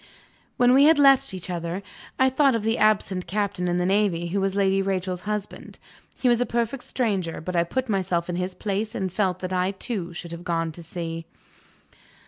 When we had left each other, I thought of the absent Captain in the Navy who was Lady Rachel's husband. He was a perfect stranger but I put myself in his place, and felt that I too should have gone to sea.